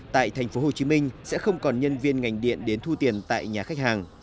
tại tp hcm sẽ không còn nhân viên ngành điện đến thu tiền tại nhà khách hàng